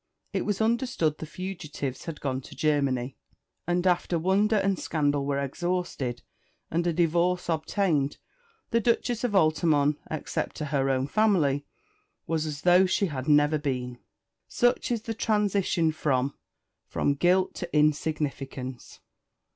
It was understood the fugitives had gone to Germany; and after wonder and scandal were exhausted, and a divorce obtained, the Duchess of Altamont, except to her own family, was as though she had never been. Such is the transition from from guilt to insignificance!